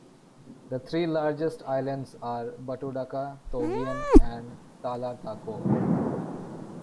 The three largest islands are Batudaka, Togian, and Talatakoh.